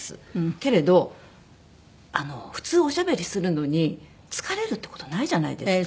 けれど普通おしゃべりするのに疲れるっていう事はないじゃないですか。